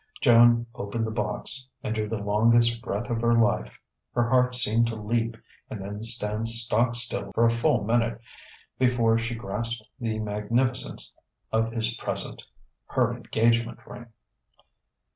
Joan opened the box and drew the longest breath of her life. Her heart seemed to leap and then stand stock still for a full minute before she grasped the magnificence of his present: her engagement ring!